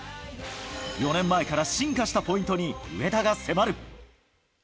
４年前から進化したポイントに、上田が迫る。